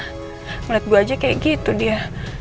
haa mau lihat gueu aja kayak like gitu dia